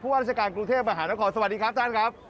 ราชการกรุงเทพมหานครสวัสดีครับท่านครับ